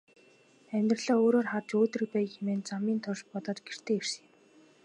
Амьдралаа өөрөөр харж өөдрөг байя хэмээн замын турш бодоод гэртээ ирсэн юм.